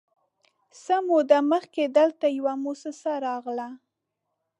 _څه موده مخکې دلته يوه موسسه راغله،